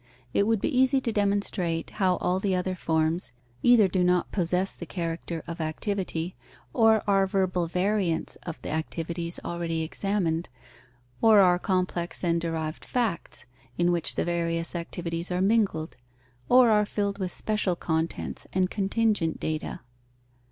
It would be easy to demonstrate how all the other forms, either do not possess the character of activity, or are verbal variants of the activities already examined, or are complex and derived facts, in which the various activities are mingled, or are filled with special contents and contingent data.